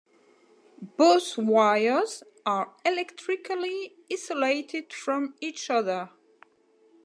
Both wires are electrically isolated from each other.